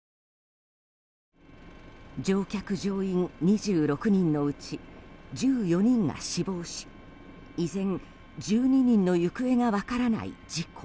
乗客・乗員２６人のうち１４人が死亡し依然、１２人の行方が分からない事故。